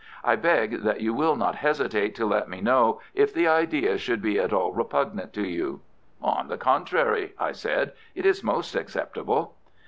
I beg that you will not hesitate to let me know if the idea should be at all repugnant to you." "On the contrary," I said, "it is most acceptable."